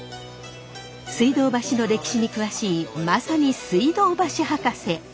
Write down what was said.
水道橋の歴史に詳しいまさに水道橋博士！